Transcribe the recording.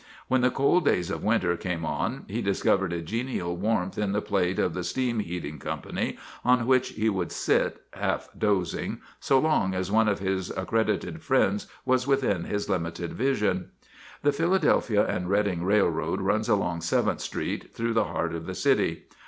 When the cold days of winter came on he discovered a genial warmth in the plate of the steam heating company, on which he would sit, half dozing, so long as one of his accredited friends was within his limited vision. The Philadelphia and Reading Railroad runs along Seventh Street, through the heart of the city.